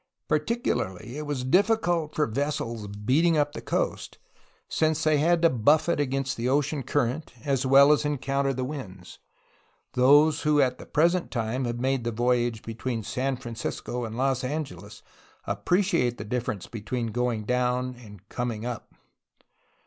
Particularly was it difficult for vessels beating up the coast, since they had to buffet against the ocean current as well as encounter the winds; those who at the present time have made the voyage between San Francisco and Los Angeles appreciate the difference between going down and coming up